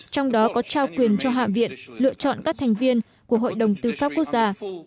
trong đó có trao quyền cho hạ viện lựa chọn các thành viên của hội đồng tư pháp quốc gia